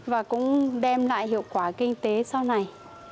và cũng đem lại hiệu quả kinh tế sau này